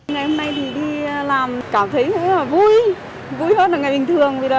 ngày hôm nay thì đi làm cảm thấy rất là vui vui hơn là ngày bình thường